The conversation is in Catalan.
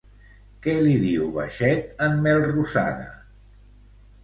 Què li diu baixet en Melrosada?